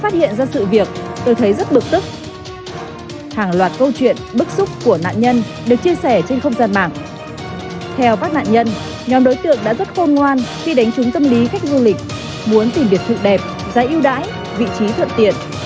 theo các nạn nhân nhóm đối tượng đã rất khôn ngoan khi đánh trúng tâm lý khách du lịch muốn tìm được sự đẹp giá yêu đãi vị trí thuận tiện